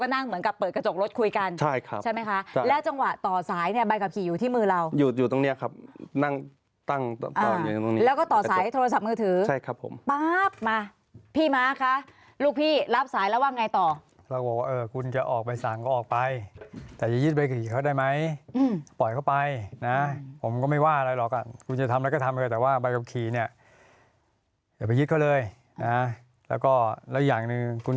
ตั้งต่ออยู่ตรงนี้แล้วก็ต่อสายโทรศัพท์มือถือใช่ครับผมป๊าบมาพี่มาคะลูกพี่รับสายแล้วว่าไงต่อเราบอกว่าเออคุณจะออกไปสั่งก็ออกไปแต่อย่ายึดใบขับขี่เขาได้ไหมอืมปล่อยเขาไปนะผมก็ไม่ว่าอะไรหรอกอ่ะคุณจะทำแล้วก็ทำเลยแต่ว่าใบขับขี่เนี้ยอย่าไปยึดเขาเลยนะแล้วก็แล้วอย่างหนึ่งคุณ